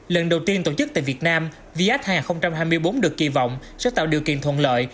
lần đầu tiên tổ chức tại việt nam viet hai nghìn hai mươi bốn được kỳ vọng sẽ tạo điều kiện thuận lợi